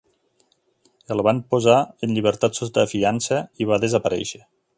El van posar en llibertat sota fiança i va desaparèixer.